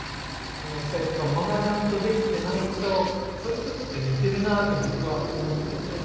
間がちゃんとできてないとそういうとこって似てるなって僕は思っていて。